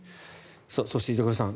そして、板倉さん